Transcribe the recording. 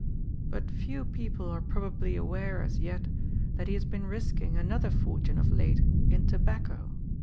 But few people are probably aware as yet that he has been risking another fortune of late in tobacco.